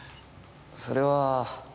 それは。